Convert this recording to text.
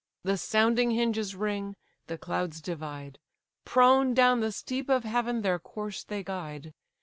The sounding hinges ring, the clouds divide. Prone down the steep of heaven their course they guide.